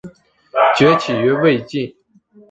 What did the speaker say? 崛起于魏晋。